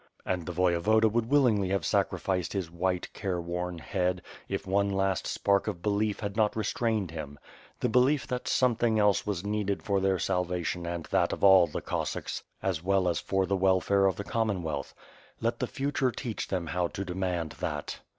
And the Voyevoda would willingly have sacrificed his white, careworn head, if one last spark of belief had not restrained him. The belief that something else was needed for their salvation and that of all the Cossacks, as well as for the wel fare of the Commonwealth. Let the future teach them how to demand that.